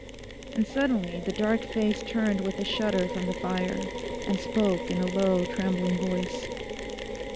And suddenly the dark face turned with a shudder from the fire, and spoke in a low trembling voice.